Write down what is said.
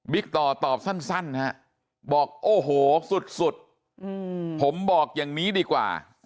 ต่อตอบสั้นฮะบอกโอ้โหสุดผมบอกอย่างนี้ดีกว่า